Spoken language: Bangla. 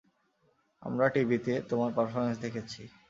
আমরা টিভিতে তোমার পারফরমেন্স দেখেছি।